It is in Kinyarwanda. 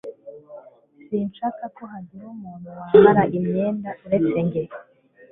Sinshaka ko hagira umuntu wambara imyenda uretse njye